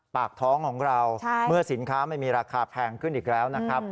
ปากท้องของเราเมื่อสินค้าไม่มีราคาแพงขึ้นอีกแล้วนะครับ